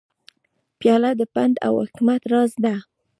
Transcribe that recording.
پیاله د پند و حکمت راز ده.